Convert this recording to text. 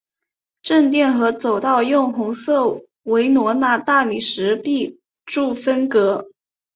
正殿和走道用红色维罗纳大理石壁柱分隔。